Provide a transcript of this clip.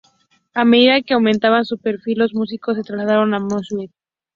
A medida que aumentaba su perfil, los músicos se trasladaron a Nashville.